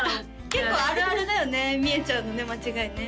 結構あるあるだよね見えちゃうのね